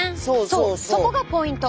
そうそこがポイント！